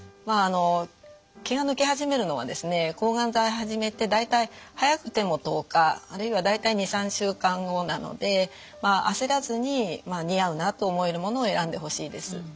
まああの毛が抜け始めるのはですね抗がん剤始めて大体早くても１０日あるいは大体２３週間後なのであせらずに似合うなと思えるものを選んでほしいです。